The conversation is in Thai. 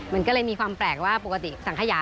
มันก็เลยมีความแปลกว่าปกติสังขยา